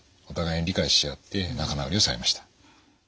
お互いに理解し合って仲直りをされました。